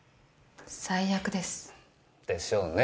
最悪です。でしょうね。